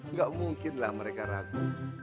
nggak mungkinlah mereka ragu